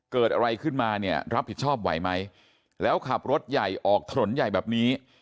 เกิดอะไรขึ้นมาเนี่ยรับผิดชอบไหวไหมแล้วขับรถใหญ่ออกถนนใหญ่แบบนี้